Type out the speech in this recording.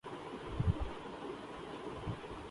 ان موضوعات پر کبھی دھیان نہیں دیتے؟